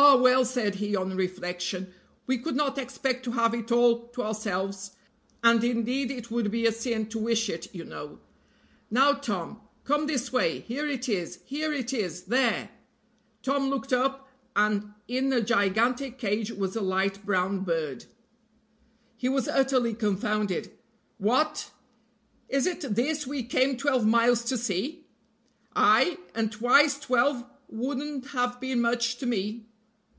"Ah, well," said he, on reflection, "we could not expect to have it all to ourselves, and indeed it would be a sin to wish it, you know. Now, Tom, come this way; here it is, here it is there." Tom looked up, and in a gigantic cage was a light brown bird. He was utterly confounded. "What, is it this we came twelve miles to see?" "Ay! and twice twelve wouldn't have been much to me."